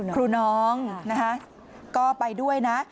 ครูน้องนะคะก็ไปด้วยนะ